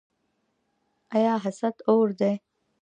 آیا حسد اور دی؟